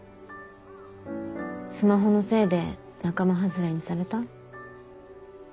スマホのせいで仲間外れにされた？